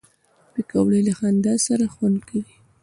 پکورې له خندا سره خوند کوي